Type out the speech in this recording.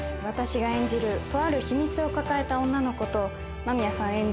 私が演じるとある秘密を抱えた女の子と間宮さん